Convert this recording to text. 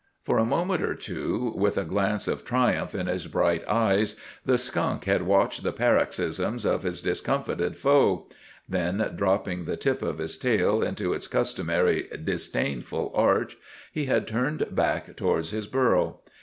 For a moment or two, with a glance of triumph in his bright eyes, the skunk had watched the paroxysms of his discomfited foe. Then, dropping the tip of his tail into its customary disdainful arch, he had turned back towards his burrow.